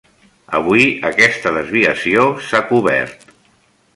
Avui, aquesta desviació, s'ha cobert.